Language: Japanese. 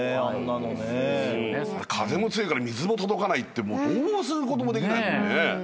風も強いから水も届かないってどうすることもできないもんね。